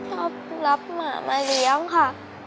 รับหมามาเลี้ยงค่ะ